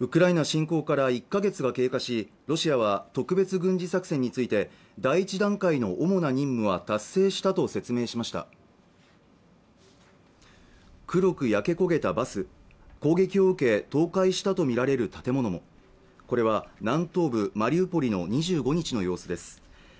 ウクライナ侵攻から１か月が経過しロシアは特別軍事作戦について第１段階の主な任務は達成したと説明しました黒く焼け焦げたバス攻撃を受け倒壊したと見られる建物もこれは南東部マリウポリの２５日の様子です